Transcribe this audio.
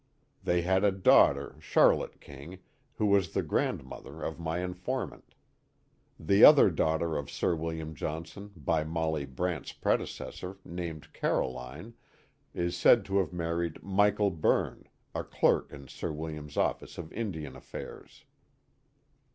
They had a daughter, Charlotte King, who was the grandmother of my informant. The other daughter of Sir William Johnson by Molly Brant's predecessor, named Caroline, is said to have married Michael Byrne, a clerk in Sir William's office of Indian affairs.